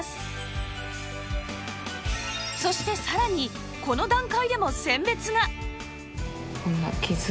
そしてさらにこの段階でも選別が！